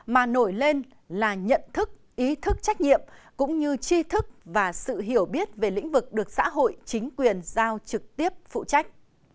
mà nổi lên là nhận thức ý thức trách nhiệm cũng như chi thức và sự hiểu biết về lĩnh vực được xã hội chính quyền giao trực tiếp phụ trách